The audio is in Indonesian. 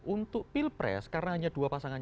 untuk bill press karena hanya dua pasangan